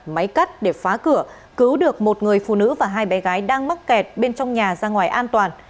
máy cắt để phá cửa cứu được một người phụ nữ và hai bé gái đang mắc kẹt bên trong nhà ra ngoài an toàn